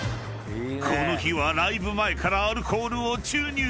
［この日はライブ前からアルコールを注入］